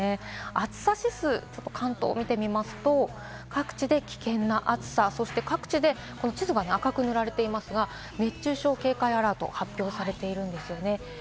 暑さ指数、関東を見てみますと、各地で危険な暑さ、そして各地で地図が赤く塗られていますが、熱中症警戒アラートが発表されているんですよね。